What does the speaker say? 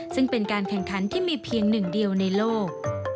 ซึ่งเป็นการแข่งขันที่มีเพียงหนึ่งเดียวในโลก